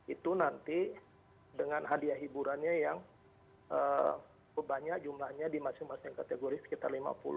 itu nanti dengan hadiah hiburannya yang banyak jumlahnya di masing masing kategori sekitar lima puluh